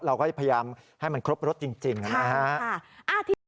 เราก็พยายามให้มันครบรถจริงนะฮะ